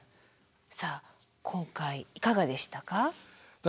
さあ今回いかがでしたか？